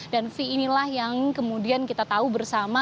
dan fee inilah yang kemudian kita tahu bersama